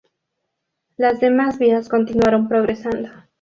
Las demás vías continuaron progresando.